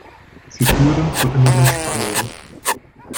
Sie führen zu inneren Spannungen.